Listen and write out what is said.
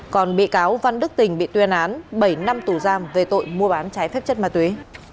còn bị cáo văn đức tình bị tuyên án bảy năm tù giam về tội mua bán trái phép chất ma túy